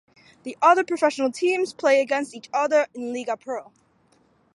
The other professional teams play against each other in the LigaPro.